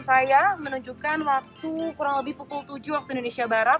saya menunjukkan waktu kurang lebih pukul tujuh waktu indonesia barat